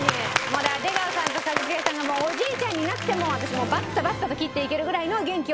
だから出川さんと一茂さんがおじいちゃんになっても私をバッタバッタと斬っていけるぐらいの元気をね